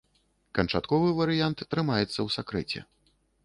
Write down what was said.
Канчатковы варыянт трымаецца ў сакрэце.